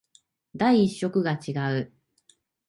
第一色が違う